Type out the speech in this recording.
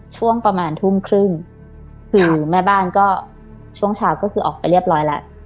ช่วงประมาณทุ่มครึ่งคือแม่บ้านก็ช่วงเช้าก็คือออกไปเรียบร้อยแล้ว